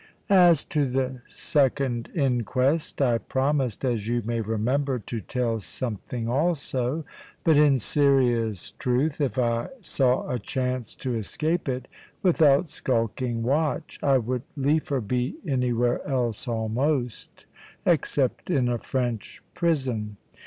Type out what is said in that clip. As to the second inquest, I promised (as you may remember) to tell something also. But in serious truth, if I saw a chance to escape it, without skulking watch, I would liefer be anywhere else almost except in a French prison.